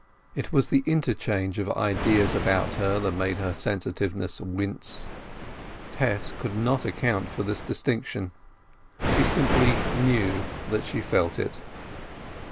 It was the interchange of ideas about her that made her sensitiveness wince. Tess could not account for this distinction; she simply knew that she felt it.